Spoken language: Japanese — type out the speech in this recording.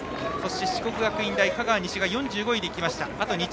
四国学院大香川西が４５位で行った。